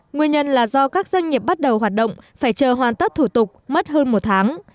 nguyên nhân là do các doanh nghiệp bắt đầu hoạt động phải chờ hoàn tất thủ tục mất hơn một tháng